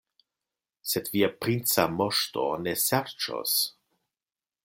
Sed via princa moŝto ne serĉos.